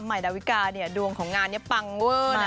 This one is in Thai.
ดาวิกาเนี่ยดวงของงานนี้ปังเวอร์นะ